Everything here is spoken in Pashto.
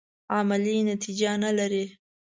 عملي نتیجه نه لري.